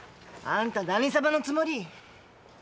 あんた何様のつもり？